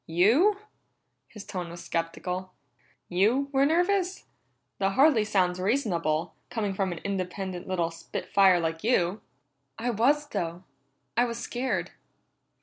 "You?" His tone was skeptical. "You were nervous? That hardly sounds reasonable, coming from an independent little spit fire like you." "I was, though. I was scared."